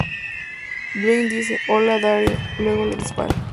Dwight dice "Hola Daryl", luego le dispara.